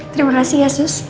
terima kasih ya sus